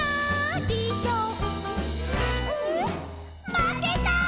まけた」